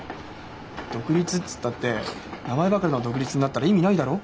独立っつったって名前ばかりの独立になったら意味ないだろう？